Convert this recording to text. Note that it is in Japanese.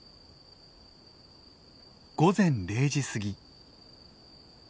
午前０時過ぎ。